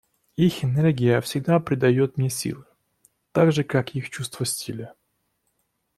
Их энергия всегда придает мне силы, так же как и их чувство стиля.